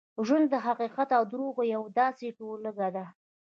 ژوند د حقیقت او درواغو یوه داسې ټولګه ده.